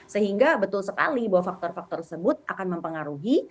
sehingga betul sekali bahwa faktor faktor tersebut akan mempengaruhi